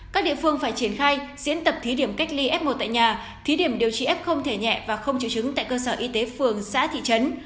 các địa phương phải triển khai diễn tập thí điểm cách ly f một tại nhà thí điểm điều trị f thể nhẹ và không chịu chứng tại cơ sở y tế phường xã thị trấn